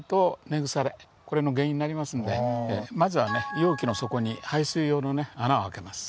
これの原因になりますんでまずはね容器の底に排水用のね穴をあけます。